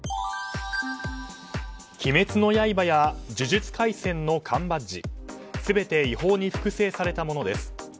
「鬼滅の刃」や「呪術廻戦」の缶バッジ全て違法に複製されたものです。